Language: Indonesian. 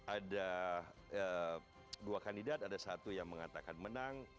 ada dua kandidat ada satu yang mengatakan menang